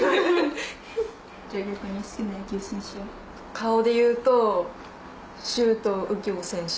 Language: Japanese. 顔で言うと周東佑京選手。